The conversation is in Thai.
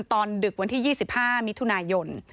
ดึกวันที่๒๕มิถุนายน